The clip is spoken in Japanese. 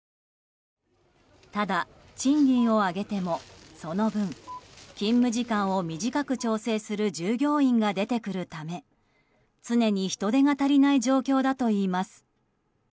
ただ、賃金を上げてもその分、勤務時間を短く調整する従業員が出てくるため常に人手が足りない状況だといいます。